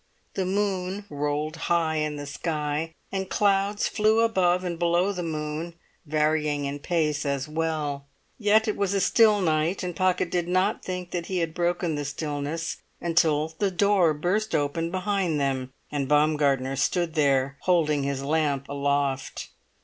The moon rolled high in the sky and clouds flew above and below the moon, varying in pace as well. Yet it was a still night, and Pocket did not think that he had broken the stillness, until the door burst open behind them, and Baumgartner stood there, holding his lamp aloft.